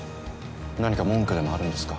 何か文句でもあるんですか？